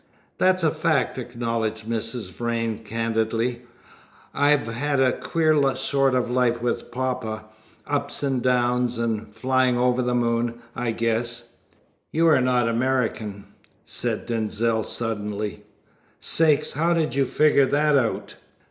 "That's a fact," acknowledged Mrs. Vrain candidly. "I've had a queer sort of life with poppa ups and downs, and flyings over the moon, I guess." "You are not American?" said Denzil suddenly. "Sakes! How do you figure that out?"